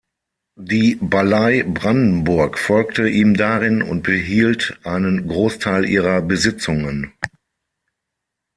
Die Ballei Brandenburg folgte ihm darin und behielt einen Großteil ihrer Besitzungen.